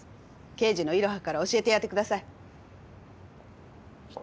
刑事のいろはから教えてやってください。